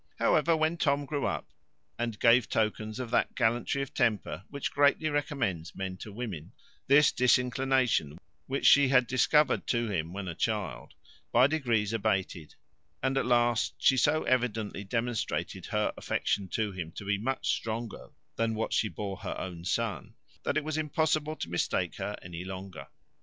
However, when Tom grew up, and gave tokens of that gallantry of temper which greatly recommends men to women, this disinclination which she had discovered to him when a child, by degrees abated, and at last she so evidently demonstrated her affection to him to be much stronger than what she bore her own son, that it was impossible to mistake her any longer.